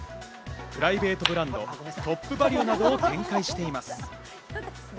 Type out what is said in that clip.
プライベートブランド「トップバリュ」などを展開しています。